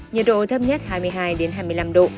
nhiệt độ thấp nhất hai mươi hai hai mươi năm độ